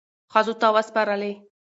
ښځو ته وسپارلې،